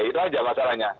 itu saja masalahnya